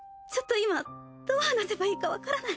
今どう話せばいいかわからない。